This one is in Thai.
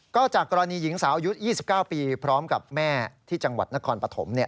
ก็จากกรณีหญิงสาวอายุ๒๙ปีพร้อมกับแม่ที่จังหวัดนครปฐม